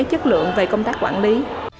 chất lượng về công tác quản lý